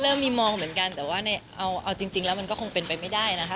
เริ่มมีมองเหมือนกันแต่ว่าในเอาจริงแล้วมันก็คงเป็นไปไม่ได้นะคะ